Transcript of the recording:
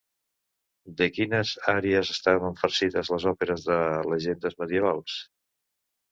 De quines àries estaven farcides les òperes de llegendes medievals?